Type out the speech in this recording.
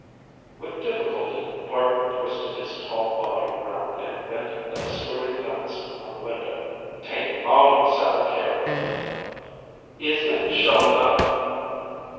With difficulty Clark twisted his tall body round and bent a distorted glance on the window. "Tain't mawnin', Sally Carrol." "Isn't it, sure enough?"